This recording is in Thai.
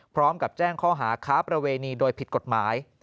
พร้อมกับแจ้งข้อหาค้าประเวณีโดยผิดกฎหมาย